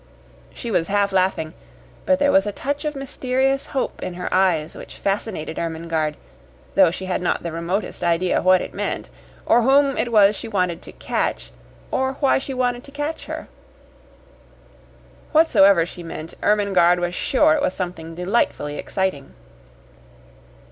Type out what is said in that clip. She was half laughing, but there was a touch of mysterious hope in her eyes which fascinated Ermengarde, though she had not the remotest idea what it meant, or whom it was she wanted to "catch," or why she wanted to catch her. Whatsoever she meant, Ermengarde was sure it was something delightfully exciting.